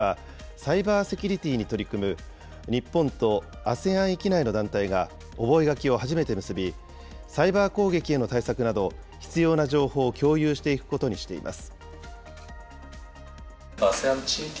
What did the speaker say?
また今月には、サイバーセキュリティーに取り組む日本とＡＳＥＡＮ域内の団体が覚書を初めて結び、サイバー攻撃への対策など、必要な情報を共有していくことにしています。